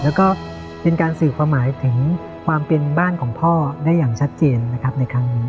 แล้วก็เป็นการสื่อความหมายถึงความเป็นบ้านของพ่อได้อย่างชัดเจนนะครับในครั้งนี้